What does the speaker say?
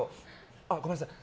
あ、ごめんなさい。